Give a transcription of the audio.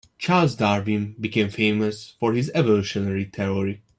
Charles Darwin became famous for his evolutionary theory.